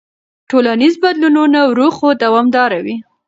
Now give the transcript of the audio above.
ټولنیز بدلونونه ورو خو دوامداره وي.